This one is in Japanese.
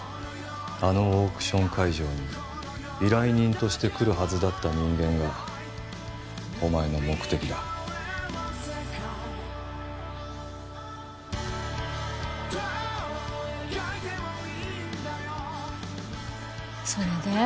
あのオークション会場に依頼人として来るはずだった人間がお前の目的だそれで？